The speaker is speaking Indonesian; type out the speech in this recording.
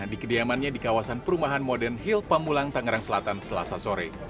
di kediamannya di kawasan perumahan modern hill pamulang tangerang selatan selasa sore